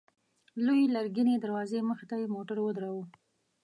لويې لرګينې دروازې مخته يې موټر ودراوه.